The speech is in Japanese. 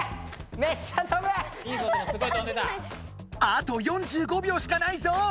あと４５秒しかないぞ。